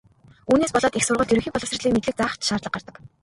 Үүнээс болоод их сургуульд ерөнхий боловсролын мэдлэг заах ч шаардлага гардаг.